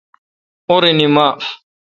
اورنی معاف۔